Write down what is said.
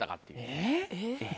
えっ？